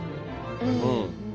うん。